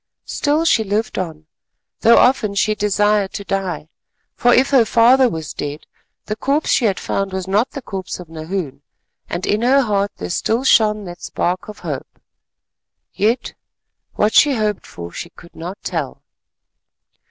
Still she lived on, though often she desired to die, for if her father was dead, the corpse she had found was not the corpse of Nahoon, and in her heart there still shone that spark of hope. Yet what she hoped for she could not tell.